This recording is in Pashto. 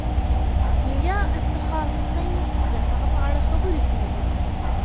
میا افتخار حسین د هغه په اړه خبرې کړې دي.